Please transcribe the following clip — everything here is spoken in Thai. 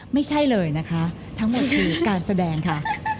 ไม่ใช่เลยนะคะทั้งหมดคือการแสดงค่ะ